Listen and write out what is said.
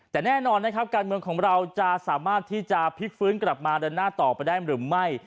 แต่แน่นอนนะครับการเมืองของเราจะสามารถที่จะพลิกฟื้นกลับมาเดินหน้าต่อไปได้หรือไม่